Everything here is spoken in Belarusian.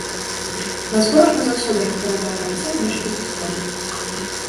На зборах мы заўсёды распавядаем байцам нешта з гісторыі.